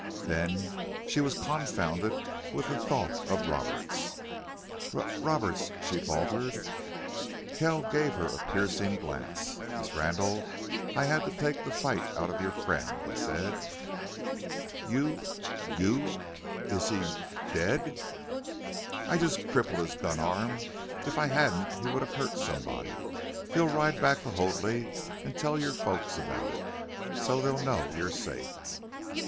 Then she was confounded with the thought of Roberts. "Ro Roberts?" she faltered. Kells gave her a piercing glance. "Miss Randle, I had to take the fight out of your friend," he said. "You you Is he dead?" "I just crippled his gun arm. If I hadn't he would have hurt somebody. He'll ride back to Hoadley and tell your folks about it. So they'll know you're safe."